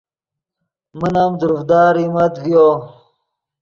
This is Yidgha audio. من ام دروڤدا ریمت ڤیو